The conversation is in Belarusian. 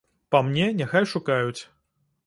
Па мне, няхай шукаюць.